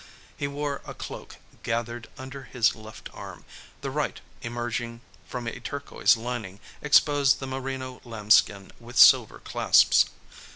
He wore his cloak gathered under his left arm; the right, emerging from a turquoise lining, exposed the merino lambskin with silver clasps.